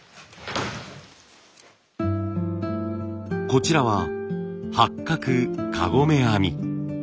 こちらは「八角かごめ編み」。